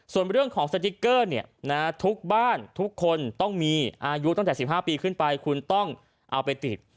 ส่วนเรื่องของสติ๊กเกอร์ทุกบ้านทุกคนต้องมีอายุตั้งแต่๑๕ปีขึ้นไปคุณต้องเอาไปติด